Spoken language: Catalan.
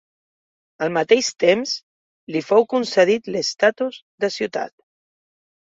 Al mateix temps, li fou concedit l'estatus de ciutat.